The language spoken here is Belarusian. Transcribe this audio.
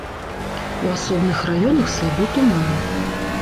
У асобных раёнах слабы туман.